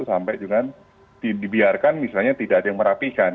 sampai juga dibiarkan misalnya tidak ada yang merapihkan